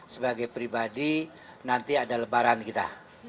sebagai pribadi nanti ada lebaran kita